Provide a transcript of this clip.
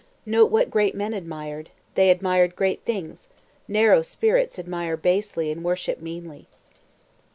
Note what great men admired: they admired great things; narrow spirits admire basely and worship meanly.